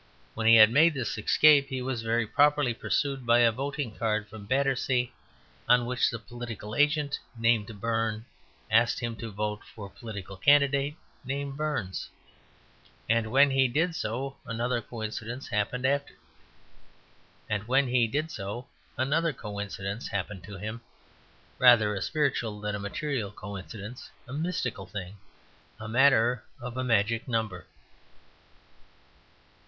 When he had made this escape he was very properly pursued by a voting card from Battersea, on which a political agent named Burn asked him to vote for a political candidate named Burns. And when he did so another coincidence happened to him: rather a spiritual than a material coincidence; a mystical thing, a matter of a magic number.